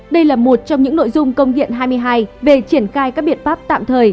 đây là một trong những nội dung công điện hai mươi hai về triển khai các biện pháp tạm thời